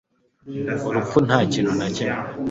urupfu ntakintu na kimwe